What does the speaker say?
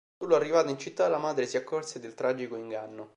Solo arrivata in città la madre si accorse del tragico inganno.